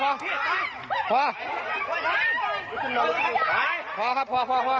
พอครับพอพอ